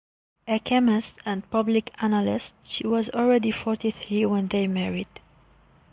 A chemist and public analyst, she was already forty-three when they married.